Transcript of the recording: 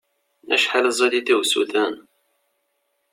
Acḥal ẓid-it i usuden!